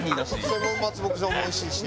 千本松牧場もおいしいし。